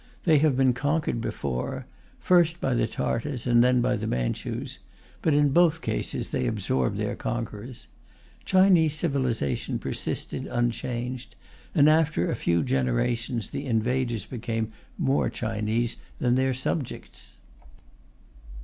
They have been conquered before, first by the Tartars and then by the Manchus; but in both cases they absorbed their conquerors. Chinese civilization persisted, unchanged; and after a few generations the invaders became more Chinese than their subjects.